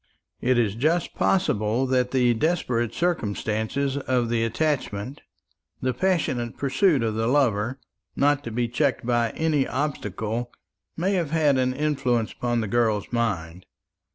It is just possible that the desperate circumstances of the attachment, the passionate pursuit of the lover, not to be checked by any obstacle, may have had an influence upon the girl's mind.